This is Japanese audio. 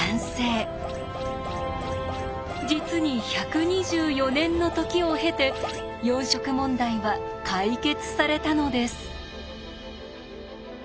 実に１２４年の時を経て四色問題は解決されたのです。